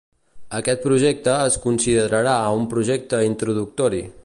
Aquest projecte es considerarà un projecte introductori.